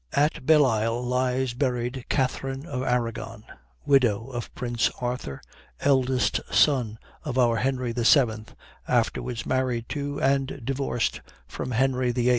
At Bellisle lies buried Catharine of Arragon, widow of prince Arthur, eldest son of our Henry VII, afterwards married to, and divorced from Henry VIII.